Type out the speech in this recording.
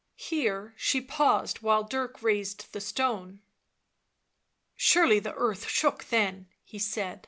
Here she paused while Dirk raised the stone. " Surely the earth shook then," he said.